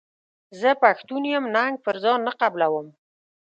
زه پښتون یم ننګ پر ځان نه قبلووم.